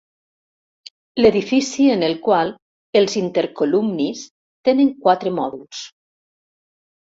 L'edifici en el qual els intercolumnis tenen quatre mòduls.